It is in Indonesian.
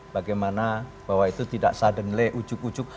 bagaimana bahwa itu tidak suddenly ujug ujug